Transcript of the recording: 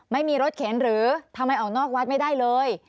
ไม่มีรถเข็นหรือทำไมออกนอกวัดไม่ได้เลย